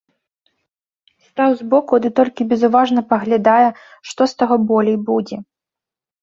Стаў збоку ды толькі безуважна паглядае, што з таго болей будзе.